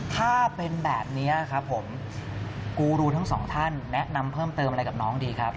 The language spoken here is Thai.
ถ้าเป็นแบบนี้ครับผมกูรูทั้งสองท่านแนะนำเพิ่มเติมอะไรกับน้องดีครับ